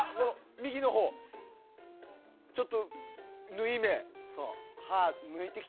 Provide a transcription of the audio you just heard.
右のほうちょっと縫い目。